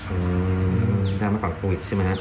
อืมได้มาก่อนโควิดใช่ไหมครับ